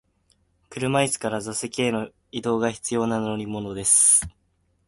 車椅子から座席への移動が必要な乗り物です。